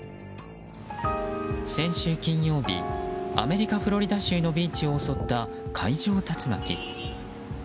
先週金曜日アメリカ・フロリダ州のビーチを襲った海上竜巻。